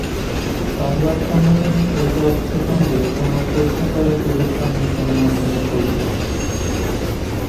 সংবাদ সম্মেলনে এসব প্রসঙ্গে কোনো প্রশ্ন করার সুযোগ পাননি গণমাধ্যমের কর্মীরা।